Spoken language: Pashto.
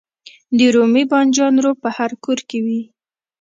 د رومي بانجان رب په هر کور کې وي.